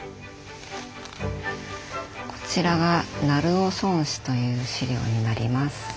こちらが鳴尾村史という史料になります。